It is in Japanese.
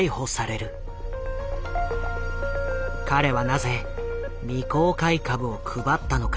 彼はなぜ未公開株を配ったのか。